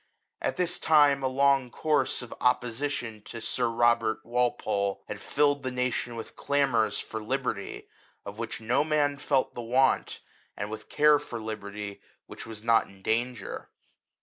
At this time a long course of opposition to Sir Robert Walpole had filled the nation with clamours for liberty, of which no man felt the want, and with care for liberty, which was not in danger.